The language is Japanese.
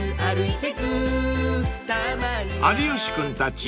［有吉君たち